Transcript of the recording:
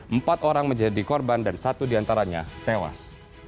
empat orang menjadi korban dan satu di antaranya tewas